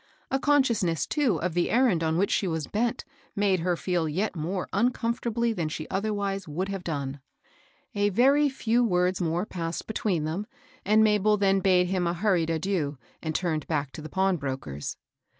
A consciousness, too, of the errand on which she was bent made her feel yet more uncomfortably than she otherwise would have done. A very few words more pass^ Aq^Vwwscl '^^ssi v 228 MABEL ROSS. and Mabel then bade him a hurried adien, and turned back to the pawnbroker's.